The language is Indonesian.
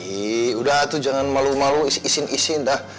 ini udah tuh jangan malu malu isin isin dah